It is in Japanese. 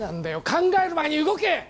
考える前に動け！